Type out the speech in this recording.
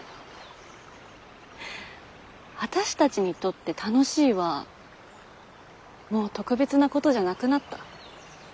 あたしたちにとって「楽しい」はもう特別なことじゃなくなった。